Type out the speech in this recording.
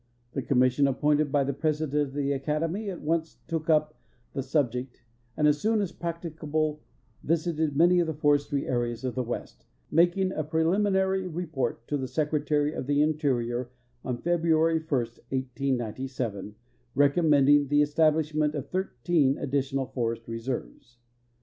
The commission appointed l)y the President of the Academy at once took up the subject and as soon as practicable visited many of the forestry areas of the West, making a preliminary report to the Secretary of the Interior on February 1, 1897, recommending the establish ment of thirteen additional forest reserves.